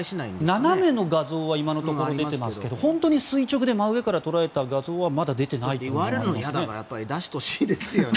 斜めの画像は今のところ出ていますが本当に垂直で真上から撮られた画像は出ていないと思いますね。